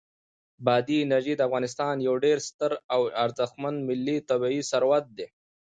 بادي انرژي د افغانستان یو ډېر ستر او ارزښتمن ملي طبعي ثروت دی.